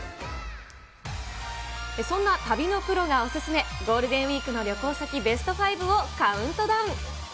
そんな旅のプロがお勧め、ゴールデンウィークの旅行先ベスト５をカウントダウン。